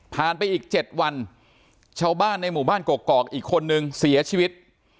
ไปอีก๗วันชาวบ้านในหมู่บ้านกอกอีกคนนึงเสียชีวิต